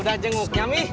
udah jenguknya mi